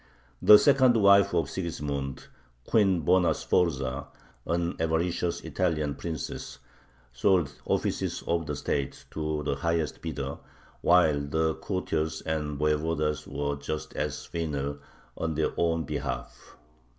The second wife of Sigismund, Queen Bona Sforza, an avaricious Italian princess, sold the offices of the state to the highest bidder, while the courtiers and voyevodas were just as venal on their own behalf.